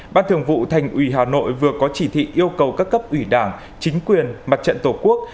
ban thường vụ thành ủy hà nội vừa có chỉ thị yêu cầu các cấp ủy đảng chính quyền mặt trận tổ quốc